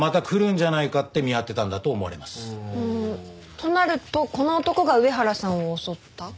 となるとこの男が上原さんを襲った？